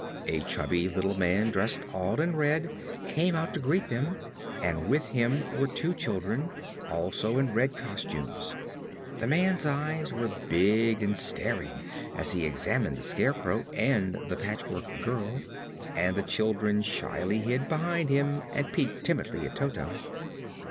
A chubby little man, dressed all in red, came out to greet them, and with him were two children, also in red costumes. The man's eyes were big and staring as he examined the Scarecrow and the Patchwork Girl, and the children shyly hid behind him and peeked timidly at Toto.